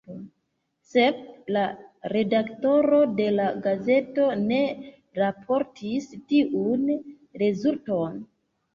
Sed la redaktoro de la gazeto ne raportis tiun rezulton.